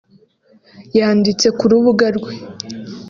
yanditse ku rubuga rwe